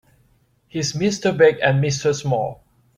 He's Mr. Big and Mr. Small.